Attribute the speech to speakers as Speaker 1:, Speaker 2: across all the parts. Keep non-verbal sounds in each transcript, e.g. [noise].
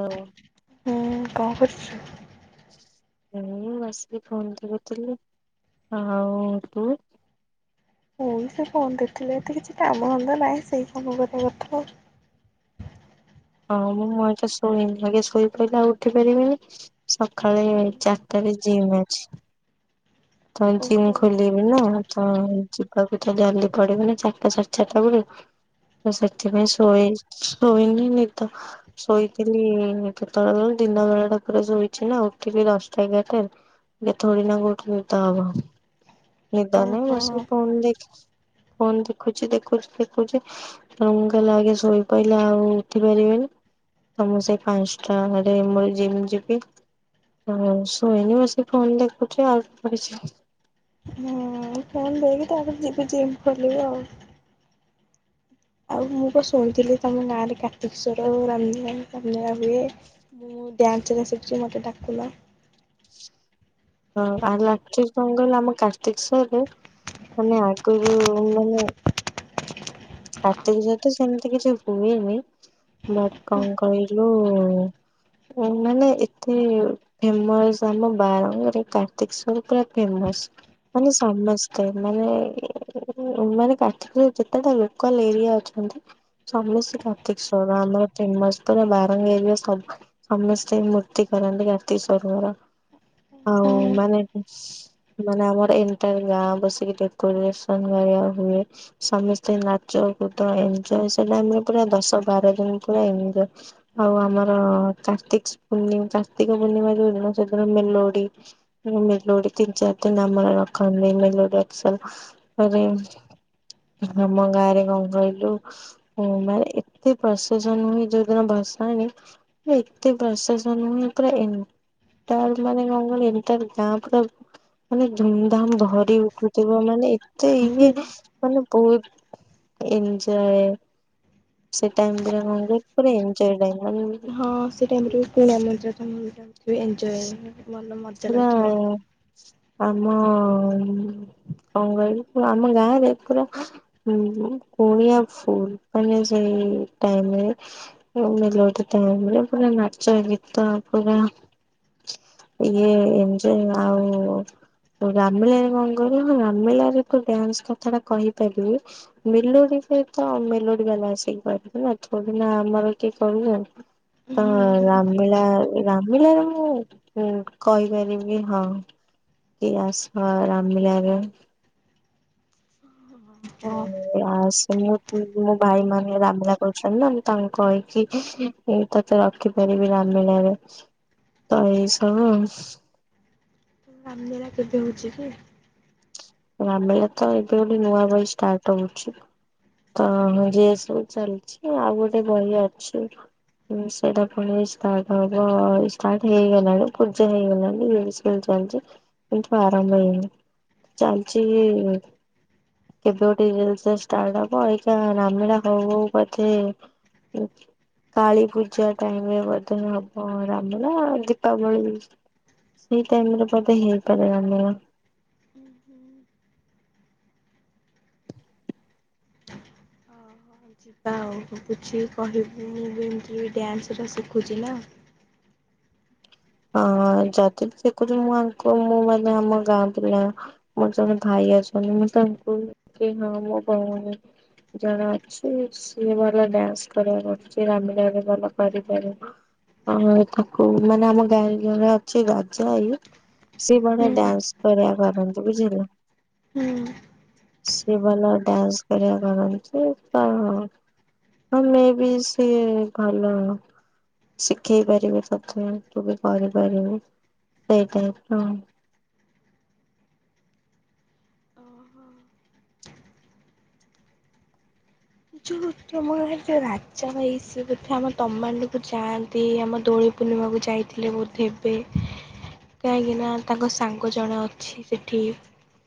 Speaker 1: ହୋଉ।
Speaker 2: ହୁଁ କଣ କରୁଚୁ?
Speaker 1: ଏଇ ବସିକି ଫୋନ ଦେଖୁଥିଲି। ଆଉ ତୁ?
Speaker 2: ମୁଁ ବି ସେଇ ଫୋନ ଦେଖୁଥିଲି ଏତେ କିଛି କାମ ଧନ୍ଦା ନାହିଁ ସେଇ ଫୋନ [unintelligible] କଥା ଆଉ।
Speaker 1: ହଁ ମୁଁ ମୁଁ ଏକା ଶୋଇ [unintelligible] ଶୋଇପ‌ଇଲେ ଆଉ ଉଠି ପାରିବିନି ସକାଳେ ଚା ସକାଳେ ଜିମ୍ ଅଛି। ସକାଳେ ଜିମ୍
Speaker 2: ଓହୋ।
Speaker 1: ଖୋଲି [unintelligible] ତ ଯିବାକୁ ତ ଜାହେଲେ ପଡିବନା ଚାରିଟା ସାଢେ ଚାରିଟା ବେଳକୁ ହଁ, ସେତି ପାଇଁ ଶୋଏ, ଶୋଇନି ନିଦ ଶୋଇଥିଲି-ଇ-ଇ କେତେବେଳେ, କଇଲ ଦିନବେଳେ ଟା ପୁର ଶୋଇଛିନା। ଉଠିକି ଦଶଟା ଏଗାରଟାରେ ଏ ଥୋଡ଼ି ନା ଗୋଟେ ନିଦ ହବ। ନିଦ ନାଇଁ
Speaker 2: ଓହୋ
Speaker 1: ବସିକି ଫୋନ୍ ଦେଖିକି ଫୋନ୍ ଦେଖୁଛି, ଦେଖୁଛି, ଦେଖୁଛି। କଁ କଇଲା ଆଗେ, ଶୋଇ ପଇଲା ଆଉ ଉଠି ପାରିବେନି। ତ ମୁଁ ସେଇ ପାଞ୍ଚଟା, ଆଡେ ମୋର ଜିମ୍ ଯିବି। ଶୋଇନି ବସି ଫୋନ୍ ଦେଖୁଛି, ଆଉ ତ [inaudible]
Speaker 2: ହୁଁ ଫୋନ୍ ଦେଖେ, ତା'ପରେ ଯେବେ ଜିମ୍ ଖୋଲିବି ଆଉ? ଆଉ ମୁଁ ପା ଶୁଣିଥିଲି, ତମ ଗାଁ ରେ କାର୍ତିକେଶ୍ଵର ଆଉ ରାମନୀଳା ଫାମ୍ ନୀଳା ହୁଏ। ମୁଁ ଡ୍ୟାନ୍ସରା ଶିଖଚି। ମୋତେ ଡାକୁଲା।
Speaker 1: ହଁ, [unintelligible] ଆମ କାର୍ତ୍ତିକସରରେ ମାନେ, ଆଗରୁ ମାନେ [unintelligible] ସେମତି କିଛି ହୁଏନି ବଟ୍ କଣ କହିଲୁ-ଉ ମାନେ ଏତେ-ଏ ଫେମସ୍ ଆମ ବାରଙ୍ଗରେ କାର୍ତ୍ତିକ୍ ଶ୍ୱର ପୁରା ଫେମସ୍। ମାନେ ସମସ୍ତେ ମାନେ-ଏ-ଏ, ମାନେ କାଠି କୁ ଯେତେ ଧରିବୁ କଲ ଏରିଆ ଅଛନ୍ତି। ସମସ୍ତେ କାର୍ତ୍ତିକଶ୍ୱର ଆମର ଫେମସ୍ ପୁରା ବାରଙ୍ଗ ଏରିଆ ସବ୍ ସମସ୍ତେ ମୂର୍ତ୍ତି କରନ୍ତି, କାର୍ତ୍ତିକଶ୍ୱରଙ୍କର। ଆଉ ମାନେ ମାନେ ଆମର ଏଣ୍ଟାର୍ ଗାଁ ବସିକି ଡେକୋରେସନ କରା ହୁଏ। ସମସ୍ତେ ନାଚ, କୁଦ, ଏନ୍ଜଏ ସେ ଟାଇମ୍ ରେ ପୁରା ଦଶ ବାର ଦିନ ପୁରା ଏନ୍ଜଏ। ଆଉ, ଆମର କାର୍ତ୍ତିକସ୍ ପୂର୍ଣ୍ଣି, କାର୍ତ୍ତିକପୂର୍ଣ୍ଣିମା ଯୋଉ ଦିନ, ସେଦିନ ମେଲୋଡି ମେଲୋଡି ତିନ ଚାର ଦିନ ଆମର ରଖନ୍ତି। ମେଲୋଡି ରଖିସାଇଲା ପରେ। ଆମ ଗାଁରେ କଣ କହିଲୁ? ଓ ମାନେ, ଏତେ ପ୍ରସେସନ୍ ହୁଏ, ଯୋଉଦିନ ଭସାଣି ଏତେ ପ୍ରସେସନ୍ ପୁରା ଏନ୍ ତାର ମାନେ କଣ କହିଲ? ଏଣ୍ଟାର ଗାଁ ପୁରା ମାନେ ଧୁମ୍ ଧାମ୍ ଭରି ଉଠୁଥିବ। ମାନେ ଏତେ
Speaker 2: ହୁଁ
Speaker 1: ଇଏ ମାନେ ବହୁତ ଏନ୍ଜଏ! ସେ ଟାଇମ୍ର, କଣ କହିଲ? ପୁରା ଏନ୍ଜଏ ଟାଇମ୍ ମାନେ
Speaker 2: ହଁ ସେ ଟାଇମ୍ରେ ପୁଣି [inaudible] ଏଞ୍ଜୟ। ଭଲ ମଜା
Speaker 1: ସେଇଆ
Speaker 2: ଲାଗୁଥିବ।
Speaker 1: ଆମ-ଅ-ଅଁ କଣ କହିଲୁ, ଆମ ଗାଁରେ ପୁରା ହୁଁ, କୁଣିଆ ଫୁଲ ମାନେ ସେଇ ଟାଇମ୍ ରେ। [unintelligible] ଲୋଟ୍ ଟାଇମ୍ ରେ ପୁରା ନାଚ, ଗୀତ ପୁରା ଇଏ ଏନ୍ଜଏ ଆଉ ରାମଲୀଳା ରେ କଣ କହିଲ, ହଁ ରାମନୀଳାରେ ଏକ ଡ୍ୟାନ୍ସ କଥା ଟା କହିପାରିବେ? ମେଲୋଡି ସହିତ ମେଲୋଡି ବାଲା ଆସିକି ପାରିବେ। ଥୋଡ଼ି ନା ଆମର କିଏ, କହିବ?
Speaker 2: ହୁଁ
Speaker 1: ତ ରାମନୀଳା ରାମଲୀଳା ରେ ମୁଁ ହୁଁ, କହିପାରିବି ହଁ, କି ଆସ ରାମଲୀଳାର
Speaker 2: ତ।
Speaker 1: ଆସ ମୁଁ, ମୋ ଭାଇ ମାନେ ରାମନୀଳା କରୁଛନ୍ତି ନା ମୁଁ ତାଙ୍କୁ କହିକି ମୁଁ ତତେ ରଖିପାରିବି, ରାମନୀଳାରେ ତ ଏଇ ସବୁ
Speaker 2: ଲୀଳା କେବେ ହଉଛି କି?
Speaker 1: ରାମନୀଳା ତ ଏବେ ଗୋଟେ ନୂଆ ବହି ଷ୍ଟାର୍ଟ ହଉଛି। ତ ଇଏ ସବୁ ଚାଲିଛି, ଆଉ ଗୋଟେ ବହି ଅଛି। ହଁ ସେଇଟା ପୁଣି ଷ୍ଟାର୍ଟ ହବ, ଇଷ୍ଟାର୍ଟ ହେଇଗଲାଣି, ପୂଜା ହେଇଗଲାଣି। ଇଏ ବି ସେ [unintelligible] ଚାଲଚି କିନ୍ତୁ ଆରମ୍ଭ ହେଇିନି। ଚାଲିଚି-ଇ କେବେ ଗୋଟେ ରିଲସ୍ ଟା ଷ୍ଟାର୍ଟ ହବ? ଅଇକା ରାମନୀଳା ହଉ ହଉକା ବୋଧେ ଉ, କାଳୀ ପୂଜା ଟାଇମ୍ ରେ ବଧେ ହବ, ରାମନୀଳା ଦୀପାବଳି ସେଇ ଟାଇମ ରେ ବଧେ ହେଇପାରେ ଆନିଅ।
Speaker 2: ହୁଁ ହୁଁ। ଓହୋ ଯିବା ଆଉ ବୁଝିକି କହିବି ମୁଁ ଏମିତିରେ ବି ଡ୍ୟାନ୍ସରା ଶିଖୁଛି ନା।
Speaker 1: ହଁ ଯଦି ବି ଶିଖୁଛୁ ମୁଁ ୟାଙ୍କୁ ମୁଁ ମାନେ ଆମ ଗାଁ ପିଲା ମୋର ଜଣେ ଭାଇ ଅଛନ୍ତି। ମୁଁ ତାଙ୍କୁ କି ହଁ ମୋ ଭଉଁଣି ଜଣେ ଅଛି। ସିଏ ଭଲ ଡ୍ୟାନ୍ସ କରିବା ରାମ ଭଲ କରିପାରିବ। ଆ ତାକୁ ମାନେ ଆମ ଯୋଉରା ଘରେ ଅଛି ରାଜା ଇଏ। ସିଏ ବଢିଆ
Speaker 2: ହୁଁ
Speaker 1: ଡ୍ୟାନ୍ସ କରିବା କରନ୍ତି ବୁଝିଲୁ।
Speaker 2: ହୁଁ।
Speaker 1: ସିଏ ଭଲ ଡ୍ୟାନ୍ସ କରିବା କରନ୍ତି ତ। ହଁ ମେ ବି ସିଏ ଭଲ ଶିଖେଇ ପାରିବେ ତଥେ। ତୁ ବି କରିପାରିବୁ ସେଇ ଟାଇପର।
Speaker 2: ଆମରେ ରାଜା ଭାଇ ସେ ବୋଧେ ଆମ ତମାଣ୍ଡୁକୁ ଯାଆନ୍ତି। ଆମ ଦୋଳି ପୁର୍ଣିମାକୁ ଯାଇଥିଲେ ବୋଧେ ଏବେ। କାହିଁକିନା ତାଙ୍କ ସାଙ୍ଗ ଜଣେ ଅଛି ସେଠି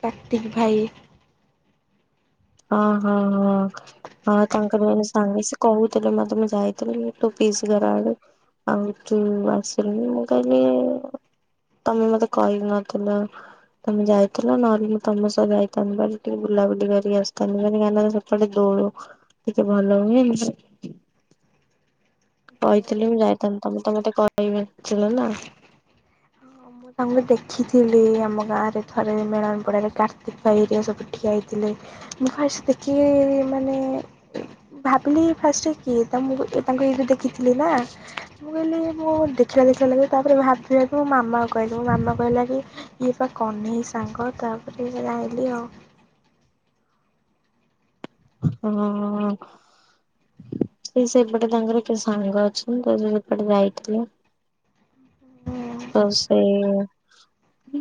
Speaker 2: କାର୍ତ୍ତିକ ଭାଇ।
Speaker 1: ଓହୋ ହଁ। ହଁ ତାଙ୍କର ମାନେ ସାଙ୍ଗେ ସେ କହୁଥିଲେ ମତେ ମୁଁ ଯାଇଥିଲି ତୋ ପିସ୍ ଘର ଆଡେ। ଆଉ ତୁ ଆସିଲୁନି। ମୁଁ କହିଲି ତମେ ମତେ କହି ନଥିଲ। ତମେ ଯାଇଥିଲ ନହେଲେ ମୁଁ ତମ ସହ ଯାଇଥାନ୍ତି ଭାରି। ଟିକେ ବୁଲାବୁଲି କରିକି ଆସେ। କାନ ମ ଗାନ ସପଟେ ଦୋଳ ଟିକେ ଭଲ ହୁଏନି। କହିଥିଲି ମୁଁ ଯାଇଥାନ୍ତେ। ତମେ ତ ମତେ କହି ନଥିଲ ନା।
Speaker 2: ହଁ ମୁଁ ତାଙ୍କୁ ଦେଖିଥିଲି ଆମ ଗାଁରେ ଥରେ ମେଳନ ପଡାରେ କାର୍ତ୍ତିକ ଭାଇ ହେରିକା ସବୁ ଠିଆ ହେଇଥିଲେ। ମୁଁ ଫାଷ୍ଟେ ଦେଖିବି ମାନେ ଭାବିଲି ଫାଷ୍ଟ କିଏ ତାଙ୍କୁ ମୁଁ ତାଙ୍କୁ ଇଏକୁ ଦେଖିଥିଲି ନା। ମୁଁ କହିଲି ମୁଁ ଦେଖିଲା ଦେଖିଲା ଲାଗେ। ତାପରେ ଭାବିଲିକି ମୋ ମାମା। କହିଲେ ମାମା କହିଲା କି ଇଏ ବା କହ୍ନେଇ ସାଙ୍ଗ ତାପରେ ଜାଇଁଲିି ଆଉ।
Speaker 1: ହଁ ହଁ। ସେ ସେପଟେ ତାଙ୍କର କି ସାଙ୍ଗ ଅଛନ୍ତି ତ ସେପଟେ ଯାଇଥିଲେ। ତ ସେଇ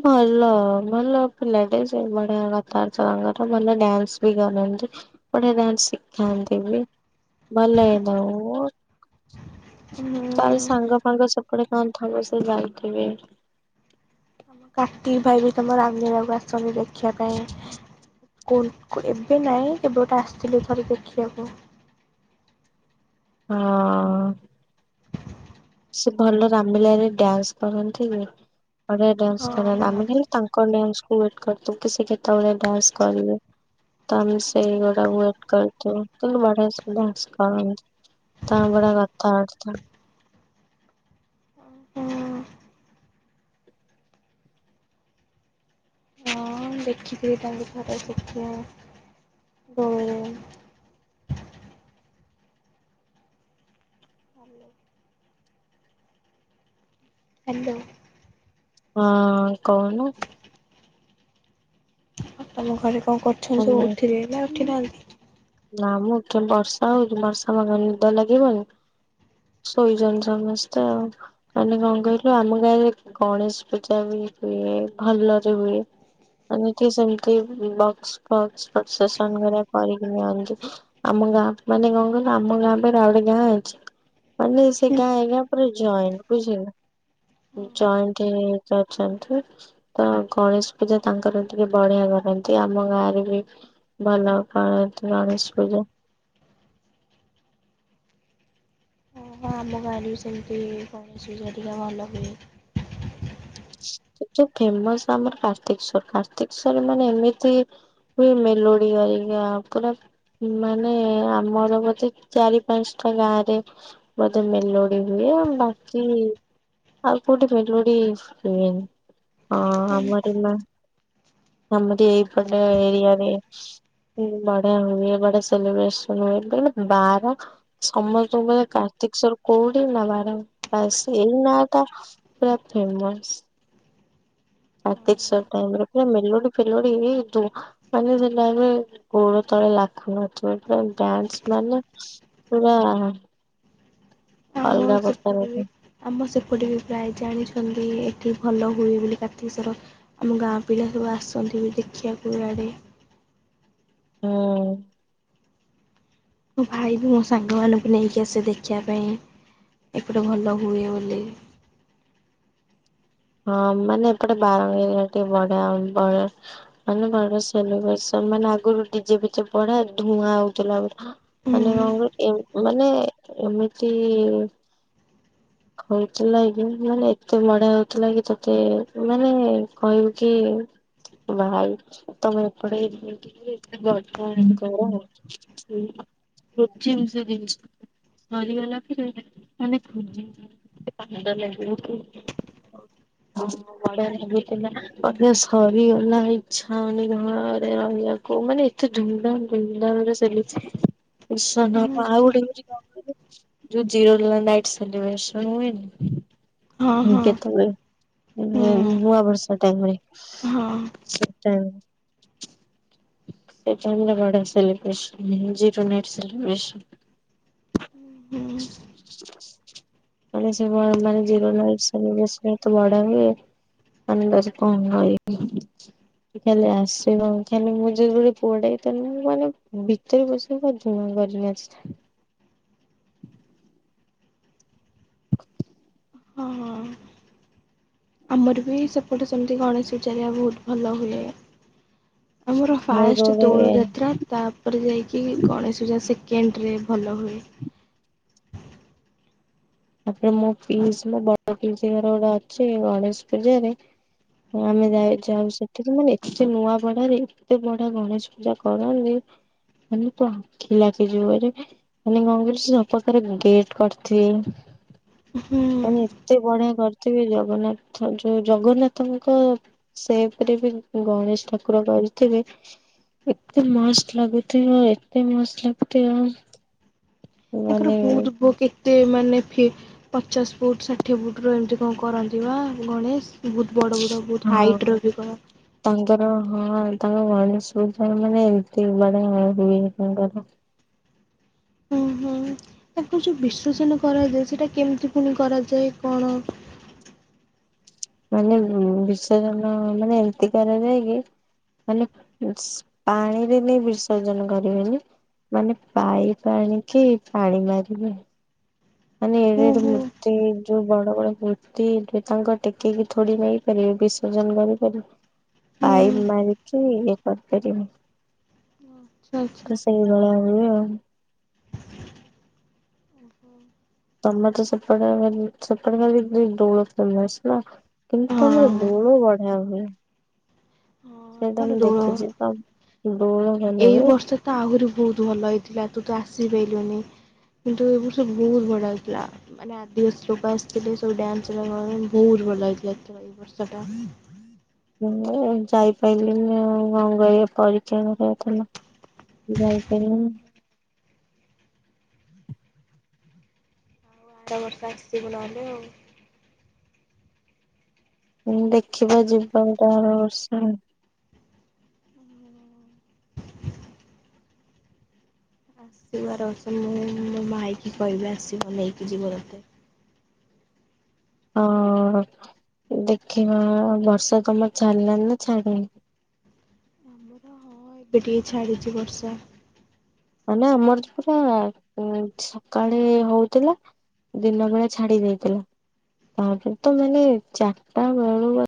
Speaker 1: ଭଲ ଭଲ ପିିଲାଡେ ସେ ବଢିଆ କଥାବାର୍ତ୍ତା ତାଙ୍କର। ଭଲ ଡ୍ୟାନ୍ସ ବି ଗନ୍ତି ଗୋଟେ ଡ୍ୟାନ୍ସ ଶିଖାନ୍ତି ବି ଭଲ ଲାଗେ। [unintelligible]
Speaker 2: ହୁଁ
Speaker 1: ତାହେଲେ ସାଙ୍ଗ ଫାଙ୍ଗ ସେପଡେ କଣ ଥବ ସେ ଯାଇଥିବେ।
Speaker 2: ତମ କାର୍ତ୍ତିକ ଭାଇ ବି ତମ ରନ୍ଧୀବାକୁ ଆସନ୍ତି ଦେଖିବା ପାଇଁ। କୁଲ କୁ ଏବେ ନାହିଁ କେବେ ଗୋଟେ ଆସିଥିଲେ ଥରେ ଦେଖିବାକୁ।
Speaker 1: ହଁ। ସେ ଭଲ ରାମିଲାଇରେ ଡ୍ୟାନ୍ସ କରନ୍ତି। ବଢିଆ ଡ୍ୟାନ୍ସ କର।
Speaker 2: ହୁଁ
Speaker 1: ଆମେ ଖାଲି ତାଙ୍କ ଡ୍ୟାନ୍ସ କୁ ୱେଟ କରୁ। ସେ କେତେବେଳେ ଡ୍ୟାନ୍ସ କରିବେ। ତ ଆମେ ସେ ଗୋଡା ୱେଟ କରିଥିବୁ। କିନ୍ତୁ ବଢିଆ ସେ ଡ୍ୟାନ୍ସ କରନ୍ତି। ତାଙ୍କ ଗୁଡା କଥାବାର୍ତ୍ତା।
Speaker 2: ହଁ ହଁ ଦେଖିଥିବେ ତାଙ୍କୁ ଥରେ ସେଠି। ହୁଁ। ହାଲୋ। ହ୍ୟାଲୋ
Speaker 1: ହଁ କହୁନୁ।
Speaker 2: ତମ ଘରେ କଣ କର
Speaker 1: ଓମେ। ନା ମୁଁ ବର୍ଷା ହଉଛି ବର୍ଷା ମାଗ ନିଦ ଲାଗିବନି। ଶୋଇଛନ୍ତି ସମସ୍ତେ ଆଉ। ମାନେ କଣ କହିଲୁ ଆମ ଗାଁରେ ଗଣେଶ ପୂଜା ବି ହୁଏ। ଭଲରେ ହୁଏ। ଏମିତି ସେମତି ବକ୍ସ ଫକ୍ସ ପ୍ରସେସନ ହେରିକା କରିକି ନିଅନ୍ତି। ଆମ ଗାଉଁ ମାନେ କଣ କହିଲ ଆମ ଗାଁ ପରେ ଆଉ ଗୋଟେ ଗାଁ ଅଛି। ମାନେ ସେ ଗାଁ ଏ ଗାଁ ପୁରା ଜଏଣ୍ଟ ବୁଝିହେଲା।
Speaker 2: ହଁ
Speaker 1: ଜଏଣ୍ଟ ହେଇ ହେଇ ସେ ଅଛନ୍ତି। ତ ଗଣେଶ ପୂଜା ତାଙ୍କର ଟିକେ ବଢିଆ କରନ୍ତି। ଆମ ଗାଁରେ [unintelligible] ଭଲ ପାଆନ୍ତି ଗଣେଶ ପୂଜା।
Speaker 2: ହଁ ଆମ ଗାଁ ରେ ବି ସେମିତି ଗଣେଶ ପୂଜା ହେରିକା ଭଲ ହୁଏ।
Speaker 1: କିନ୍ତୁ ଫେମସ୍ ଆମର କାର୍ତ୍ତିକଶ୍ଵର କାର୍ତ୍ତିକଶ୍ଵର ମାନେ ଏମିତି ହୁଏ ମେଲୋଡ଼ି ହରିକା ପୁରା ମାନେ ଆମର ବୋଧେ ଚାରି ପାନ୍ସଟା ଗାଁ ରେ ବୋଧେ ମେଲୋଡି ହୁଏ। ଆଉ ବାକି ଆଉ କୋଉଠି ମେଲୋଡି ହୁଏନି। ହଁ ଆମର ନା ଆମରି ଏଇପଟେ ଏରିଆରେ ବଢିଆ ହୁଏ, ବଢିଆ ସେଲିବ୍ରେସନ ହୁଏ। [unintelligible] ବାର ସମସ୍ତଙ୍କୁ କହିବେ କାର୍ତ୍ତିକଶ୍ବର କୋଉଠି ନା ବାରଣାସୀ ଏଇ ନାଁ ଟା ପୁରା ଫେମସ୍। କାର୍ତ୍ତିକଶ୍ବର ଟାଇମ୍ ରେ ପୁରା ମେଲୋଡି ଫେଲୋଡି ଦୁ ମାନେ ସେ ଟାଇମ୍ ରେ ଗୋଡ ତଳେ ଲାଖୁନଥୁବ ପୁରା ଡ୍ୟାନ୍ସ ମାନେ ପୁରା
Speaker 2: ଆମ
Speaker 1: ଅଲଗା ପ୍ରକାରର
Speaker 2: ସପଟେ ବି
Speaker 1: ହୁଁ।
Speaker 2: ଆମ ସେପଟ ବି ପ୍ରାୟ ଜାଣିଛନ୍ତି ଏଠି ଭଲ ହୁଏ ବୋଲି କାର୍ତ୍ତିକଶ୍ବର ଆମ ଗାଁ ପିଲା ସବୁ ଆସନ୍ତି ବି ଦେଖିବାକୁ ଆଡ଼େ।
Speaker 1: ହଁ।
Speaker 2: ମୋ ଭାଇ ବି ମୋ ସାଙ୍ଗମାନଙ୍କୁ ନେଇକି ଆସେ ଦେଖିବା ପାଇଁ ଏପଟେ ଭଲ ହୁଏ ବୋଲି।
Speaker 1: ହଁ ମାନେ ଏପଟେ ବାରଙ୍ଗୀରେ ଟିକେ ବଢିଆ [unintelligible] ମାନେ ବଢିଆ ସେଲିବ୍ରେସନ ମାନେ ଆଗରୁ ଡିଜେ ଫିଜେ ବଢିଆ ଧୂଆଁ ହଉଥୁଲା [unintelligible]
Speaker 2: ହୁଁ
Speaker 1: ମାନେ [unintelligible] ମାନେ ଏମିତି ହଉଥିଲା କି ମାନେ ଏତେ ବଢିଆ ହଉ ଥିଲାକି ତୋତେ ମାନେ କହିବୁ କି ଭାଇ ତୋମେ ଏପଟେ [unintelligible] ବଡ [unintelligible] କର ନା। ସେଇ [unintelligible] ସରିଗଲା ପରେ ମାନେ ଖୋଜିବ [unintelligible] ହଁ। ବଢିଆ ଲାଗିଥିଲା ନା ବୋଧେ ସରିଗଲା ଇଚ୍ଛା ହଉନି ଘରେ ରହିବାକୁ ମାନେ ଏତେ ଧୁମଧାମ ଧୁମଧାମ ରେ ସେଲିବ୍ରେସନ ହବ। ଆଉ ଗୋଟେ ହଉଚି କଣ [inaudible] ଯୋଉ ଜିରୋ ଲାନ ନାଇଟ୍ ସେଲିବ୍ରସନ ହୁଏନି।
Speaker 2: ହଁ ହଁ
Speaker 1: କେତଳେ? ଏ
Speaker 2: ହୁଁ
Speaker 1: ନୂଆ ବର୍ଷ ଟାଇମ୍ ରେ
Speaker 2: ହଁ।
Speaker 1: ସେ ଟାଇମ୍ ସେଇ ଟାଇମ୍ ରେ ବଡ଼ ସେଲିବ୍ରେସନ ହୁଏ, ଜିରୋ ନାଇଟ
Speaker 2: ହୁଁ
Speaker 1: ସେଲିବ୍ରେସନ। ମାନେ ସେ କଣ ମାନେ ଜିରୋ ନାଇଟ୍ସ। ସେଲିବ୍ରେସନ ତ ବଢିଆ ହୁଏ। [unintelligible] ଖାଲି ଆସିବ ଖାଲି ମୁଁ ଯଦି ଗୋଟେ ପୁଅଟେ ହେଇଥାନ୍ତି, ମୁଁ ମାନେ ବି ଯେତେ ବି [unintelligible] ପୁରା ଧୂଆଁ କରି ନାଚିଥାନ୍ତି।
Speaker 2: ହଁ, ହଁ। ଆମର ବି ସେପଟେ ସେମିତି ଗଣେଶ ପୂଜା ହେରିକା ବହୁତ ଭଲ ହୁଏ। ଆମର
Speaker 1: ମୋର
Speaker 2: ଫାଷ୍ଟ
Speaker 1: ଯୋଉରେ
Speaker 2: ଦୋଳ ଯାତ୍ରା ତାପରେ ଯାଇକି ଗଣେଶ ପୂଜା ସେକେଣ୍ଡରେ ଭଲ ହୁଏ।
Speaker 1: ତାପରେ ମୋ ପିଇସି ମୋ ବଡ ପିଇସି ଘର ଗୋଟେ ଅଛି ଗଣେଶ ପୂଜା ରେ ଆମେ ଯାଇ ଯାଉ ସେଠି ମାନେ ଏତେ ନୂଆପଡାରେ ଏତେ ବଢିଆ ଗଣେଶ ପୂଜା କରନ୍ତି। ମାନ ତୋ ଆଖି ଲାଖିଯିବ ଆରେ ମାନେ ଗଙ୍ଗ ସବପକାର ଗେଟ୍ କରିଥିବେ।
Speaker 2: ହୁଁ।
Speaker 1: ମାନେ ଏତେ ବଢିଆ କରିଥିବି ଜଗନ୍ନାଥ ଯୋଉ ଜଗନ୍ନାଥଙ୍କ ସେପରି ବି ଗଣେଶ ଠାକୁର କରିଥିବେ। ଏତେ ମାସ୍ ଲଗତି ହ ଏତେ ମସ୍ତ ଲାଗତି ଆ
Speaker 2: ତାଙ୍କର ବହୁତ ପୁଅ କି? ତେ ମାନେ ଫି ପଚାଶ ଫୁଟ ଷାଠିଏ ଫୁଟ୍ର ଏମିତି କଣ କରନ୍ତି ବା ଗଣେଶ। ବହୁତ ବଡ଼ ବଡ଼ ବହୁତ
Speaker 1: ହଁ
Speaker 2: ହାଇଟ୍ର ବି କର।
Speaker 1: ତାଙ୍କର ହଁ ତାଙ୍କ ମଣିଷାର ମାନେ ଏତି ବଡଆ ହୁଏ ତାଙ୍କର।
Speaker 2: ଉଁ ହୁଁ। ତାକୁ ଯୋଉ ବିସର୍ଜନ କରାଯାଏ, ସେଇଟା କେମିତି ପୁଣି କରାଯାଏ କଣ?
Speaker 1: ମାନେ ବିସର୍ଜନ ମାନେ ଏମିତି କରାଯାଏ କି ମାନେ ସି ପାଣିରେ ନେଇ ବିସର୍ଜନ କରିବେନି। ମାନେ ପାଇପ୍ ଆଣିକି ପାଣି ମାରିବେ। ମାନେ ଏଡେ
Speaker 2: ହୁଁ
Speaker 1: ଏଡେ
Speaker 2: ହୁଁ।
Speaker 1: ମୂର୍ତ୍ତି। ଯୋଉ ବଡ ବଡ ମୂର୍ତ୍ତି, ତାଙ୍କ ଟେକିକି ଥୋଡି ନେଇ ପାରିବେ ବିସର୍ଜନ କରିପାରିବେ।
Speaker 2: ହୁଁ
Speaker 1: ଆଇବ୍ ମାରିକି ଇଏ କରିପାରିବନି।
Speaker 2: ଆଚ୍ଛା ଆଚ୍ଛା ହଁ।
Speaker 1: ତ ସେଇ ଦୋଳ ହୁଏ ଆଉ।
Speaker 2: ହୁଁ।
Speaker 1: ତମର ତ ସେପଟେ ସେପଟେ ଖାଲି ଦୋଳ ପଳେଇଆସିବ। କିନ୍ତୁ ତମର ଦୋଳ ବଢିଆ ହୁଏ।
Speaker 2: ହଁ।
Speaker 1: ସେଇଟା
Speaker 2: ଆମର
Speaker 1: ମୁଁ
Speaker 2: ଦୋଳ
Speaker 1: ଦେଖିଛି ତ। ଦୋଳ ଭଲ
Speaker 2: ଏଇ
Speaker 1: ହୁଏ।
Speaker 2: ବର୍ଷ ତ ଆହୁରି ବହୁତ ଭଲ ହେଇଥିଲା ତୁ ତ ଆସିପାଇଲୁନି। କିନ୍ତୁ ଏ ବର୍ଷ ବହୁତ ବଢିଆ ହେଇଥିଲା। ମାନେ ଆଦିବାସୀ ଲୋକ ଆସିଥିଲେ, ସବୁ ଡ୍ୟାନ୍ସରାକ ବହୁତ ଭଲ ହେଇଥିଲା ଏ ଥର ଏଇ ବର୍ଷଟା।
Speaker 1: ମୁଁ ଯାଇପାଇଲିନି ଆଉ କଣ କରିବା ପରୀକ୍ଷା ମୋର ଥିଲା। ଯାଇପାଇଲିନି।
Speaker 2: ଆଉ ଆର ବର୍ଷ ଆସିିବୁ ନହଲେ ଆଉ।
Speaker 1: ଦେଖିବା ଯିବା ଗୋଟେ ଆର ବର୍ଷ ଆଉ।
Speaker 2: ଆସିବୁ ଆର ବର୍ଷ ମୁଁ ମୋ ଭାଇକି କହିବି ଆସିବ ନେଇକି ଯିବ ତତେ।
Speaker 1: ହଁ ଦେଖିବା। ବର୍ଷା ତମର ଛାଡ଼ିଲାଣି ନା ଛାଡିନି?
Speaker 2: ଆମର ହଁ ଏବେ ଟିକେ ଛାଡ଼ିଚି ବର୍ଷା।
Speaker 1: ମାନେ ଆମର ତ ପୁରା ଏଁ ସକାଳେ ହଉଥିଲା। ଦିନ ବେଳେ ଛାଡି ଯାଇଥିଲା। ତାପରେ ତ ମାନେ ଚାରିଟା ବେଳୁ ବ